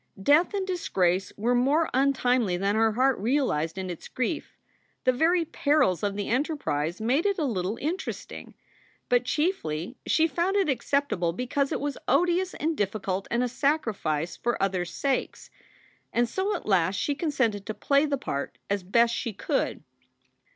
Death and disgrace were more untimely than her heart realized in its grief. The very perils of the enterprise made it a little interesting. But chiefly she found it acceptable because it was odious and difficult and a sacrifice for others sakes. And so at last she consented to play the part as best she could.